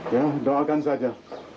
ya doakan saja